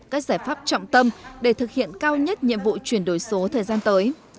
các giải pháp trọng tâm để thực hiện cao nhất nhiệm vụ chuyển đổi số thời gian tới